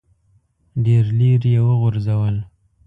ډېر لیرې یې وغورځول.